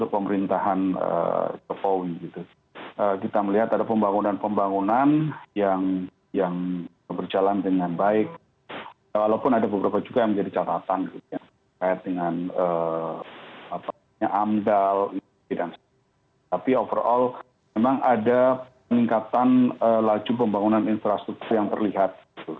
pertama sekali kita sudah melihat keadaan pembangunan infrastruktur yang terlihat